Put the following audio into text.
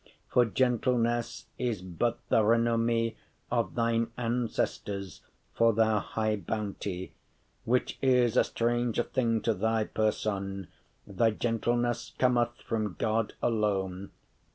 For gentleness is but the renomee* *renown Of thine ancestors, for their high bounte,* *goodness, worth Which is a strange thing to thy person: Thy gentleness cometh from God alone.